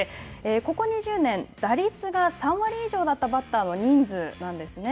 ここ２０年打率が３割以上だったバッターの人数なんですね。